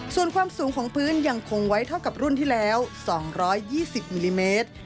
ส่วนความสูงของพื้นยังคงไว้เท่ากับรุ่นที่แล้ว๒๒๐มิลลิเมตร